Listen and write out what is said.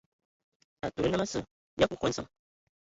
Atud nnəm asə ya kuiki a nsəŋ.